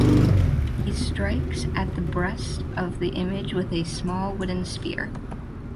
He strikes at the breast of the image with a small wooden spear.